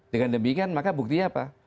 dengan demikian maka buktinya apa